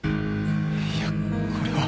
いやこれは。